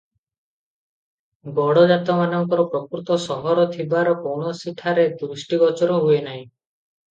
ଗଡ଼ଜାତମାନଙ୍କର ପ୍ରକୃତ ସହର ଥିବାର କୌଣସିଠାରେ ଦୃଷ୍ଟିଗୋଚର ହୁଏ ନାହିଁ ।